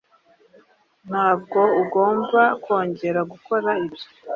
Ntabwo ugomba kongera gukora ibyo.